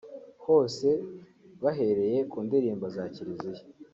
hose bahereye ku ndirimbo za kiliziya